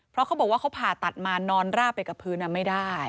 เพราะเขาบอกว่าเขาผ่าตัดมานอนราบไปกับพื้นไม่ได้